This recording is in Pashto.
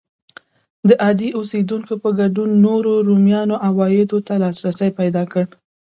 د عادي اوسېدونکو په ګډون نورو رومیانو عوایدو ته لاسرسی پیدا کړ.